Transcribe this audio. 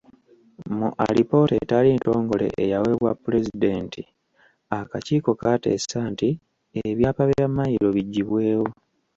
Mu alipoota etali ntongole eyaweebwa Pulezidenti, akakiiko kaateesa nti ebyapa bya Mmayiro biggyibwewo.